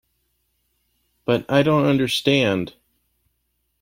But I don't understand.